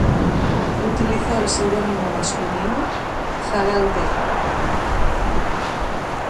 Utilizó el seudónimo masculino "Harald Gate.